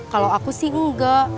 kalau aku sih enggak